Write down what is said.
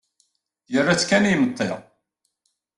Yerra-tt kan i yimeṭṭi.